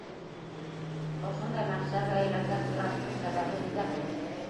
Ошондай мәхшәргә әйләнгән сираттың сәбәбе ниҙә һуң?